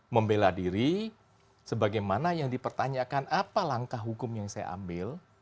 membela diri sebagaimana yang dipertanyakan apa langkah hukum yang saya ambil